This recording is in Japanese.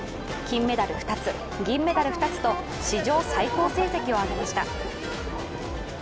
金メダル２つ、銀メダル２つと史上最高成績を挙げました。